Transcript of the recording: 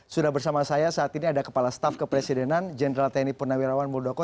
sudah bersama saya saat ini ada kepala staf kepresidenan jenderal tni purnawirawan muldoko